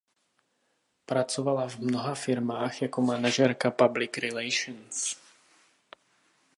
Pracovala v mnoha firmách jako manažerka public relations.